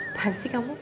apaan sih kamu